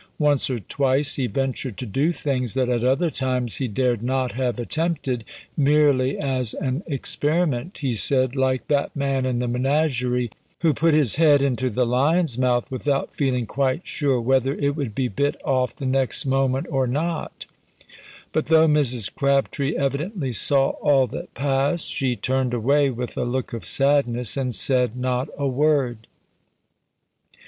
Once or twice he ventured to do things that at other times he dared not have attempted, "merely as an experiment," he said, "like that man in the menagerie, who put his head into the lion's mouth, without feeling quite sure whether it would be bit off the next moment or not;" but though Mrs. Crabtree evidently saw all that passed, she turned away with a look of sadness, and said not a word.